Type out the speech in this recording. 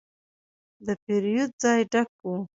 د پیرود ځای ډک و.